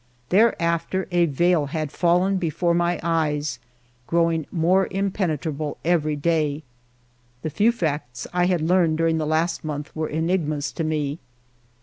Thereafter a veil had fallen before my eyes, growing more impenetrable every day. The few facts I had learned during the last month were enigmas to me.